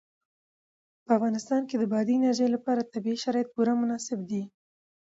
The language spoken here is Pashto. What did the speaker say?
په افغانستان کې د بادي انرژي لپاره طبیعي شرایط پوره مناسب دي.